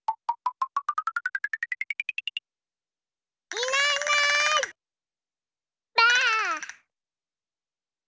いないいないばあっ！